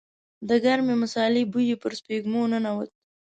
د ګرمې مسالې بوی يې پر سپږمو ننوت.